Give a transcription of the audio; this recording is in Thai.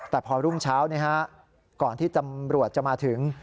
แต่พอรุ่งเช้าก่อนที่ตำรวจจะมาถึง